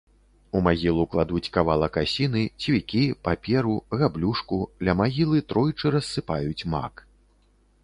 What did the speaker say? У магілу кладуць кавалак асіны, цвікі, паперу, габлюшку, ля магілы тройчы рассыпаюць мак.